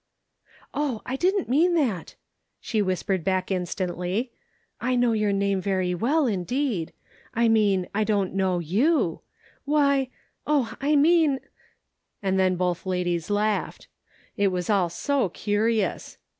" Oh, I don't mean that," she whispered back instantly ; I know your name very well, indeed ; I mean I don't know you ; why ! Oh, I mean —" and then both ladies laughed. It was all. so curious.